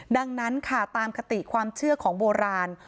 ดังนั้นค่ะตามคติความเชื่อของโบราณ